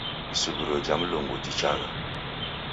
Isuw'irio jha Mlungu jhichagha.